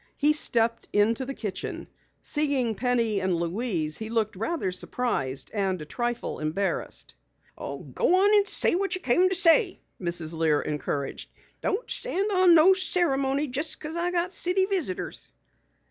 He stepped into the kitchen. Seeing Penny and Louise, he looked rather surprised and a trifle embarrassed. "Go on and say what you come to say," Mrs. Lear encouraged. "Don't stand on no ceremony jus' cause I got city visitors."